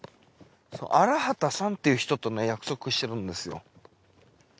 荒幡さんっていう人と約束してるんですよ。